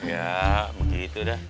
ya begitu dah